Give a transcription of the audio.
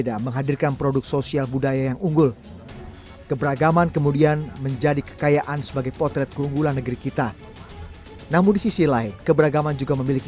dan tekan tombol bel untuk mendapatkan informasi terbaru